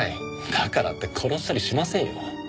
だからって殺したりしませんよ。